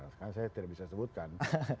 sekarang saya tidak bisa sebutkan